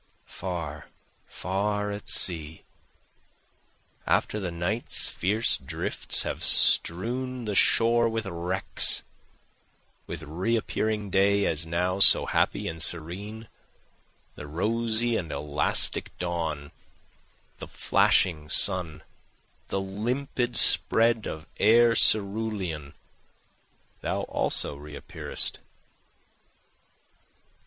Far, far at sea, After the night's fierce drifts have strewn the shore with wrecks, With re appearing day as now so happy and serene, The rosy and elastic dawn, the flashing sun, The limpid spread of air cerulean, Thou also re appearest.